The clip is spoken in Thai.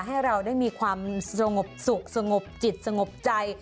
ให้เราได้มีความสงบสุขสงบจิตสงบใจ